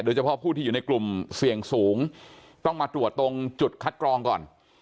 เฉพาะผู้ที่อยู่ในกลุ่มเสี่ยงสูงต้องมาตรวจตรงจุดคัดกรองก่อน